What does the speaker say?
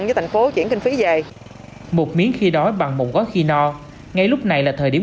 với thành phố chuyển kinh phí về một miếng khi đói bằng một gót khi no ngay lúc này là thời điểm